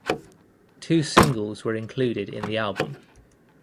Two singles were included in the album.